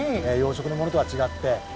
養殖のものとは違って。